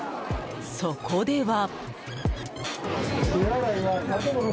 そこでは。